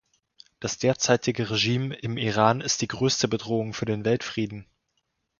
Das derzeitige Regime im Iran ist die größte Bedrohung für den Weltfrieden.